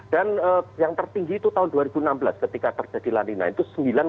dan yang tertinggi itu tahun dua ribu enam belas ketika terjadi lamina itu sembilan enam